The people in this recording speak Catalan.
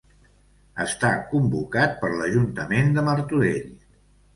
Està convocat per l'Ajuntament de Martorell.